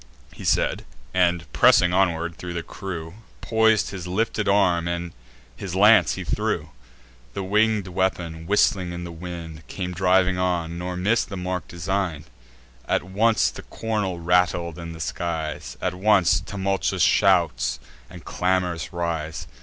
He said; and, pressing onward thro' the crew, Pois'd in his lifted arm, his lance he threw. The winged weapon, whistling in the wind, Came driving on, nor miss'd the mark design'd. At once the cornel rattled in the skies; At once tumultuous shouts and clamours rise.